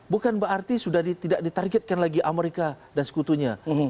bukan berarti sudah tidak ditargetkan lagi amerika dan sekutunya